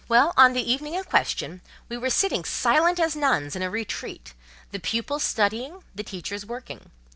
Well, on the evening in question, we were sitting silent as nuns in a "retreat," the pupils studying, the teachers working.